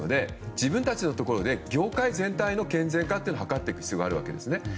自分たちのところで業界全体の健全化を図っていく必要があるわけですね。